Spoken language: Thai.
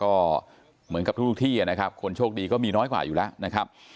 ก็เหมือนกับทุกที่นะครับคนโชคดีก็มีน้อยกว่าอยู่แล้วนะครับ